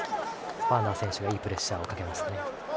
ワーナーズ選手いいプレッシャーをかけますね。